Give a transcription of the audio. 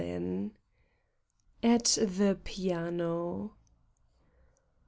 65 AT THE PIANO.